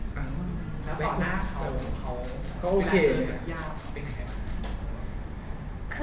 แล้วต่อหน้าเขาก็โอเค